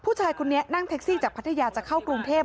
ผู้ชายคนนี้นั่งแท็กซี่จากพัทยาจะเข้ากรุงเทพ